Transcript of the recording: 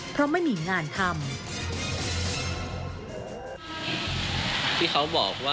เพราะไม่มีงานทำ